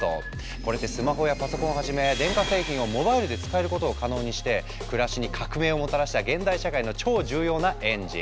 これってスマホやパソコンをはじめ電化製品をモバイルで使えることを可能にして暮らしに革命をもたらした現代社会の超重要なエンジン。